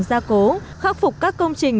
gia cố khắc phục các công trình